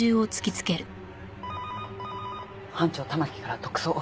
班長玉城から特捜。